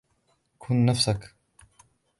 كن نفسك.